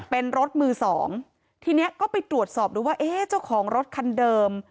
เป็นรถมือสองทีนี้ก็ไปตรวจสอบดูว่าเอ๊ะเจ้าของรถคันเดิม